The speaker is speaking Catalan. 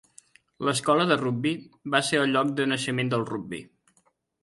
L'Escola de Rugbi va ser el lloc de naixement del rugbi.